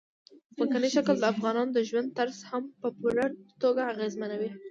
ځمکنی شکل د افغانانو د ژوند طرز هم په پوره توګه اغېزمنوي.